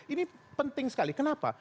ini penting sekali kenapa